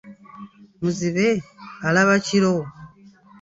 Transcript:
Muzibe, alaba kiro.